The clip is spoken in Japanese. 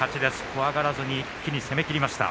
怖がらずに一気に攻めていきました。